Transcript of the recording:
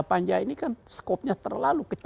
panja ini kan skopnya terlalu kecil